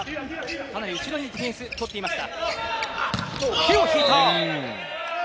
かなり後ろにディフェンスを取っていました。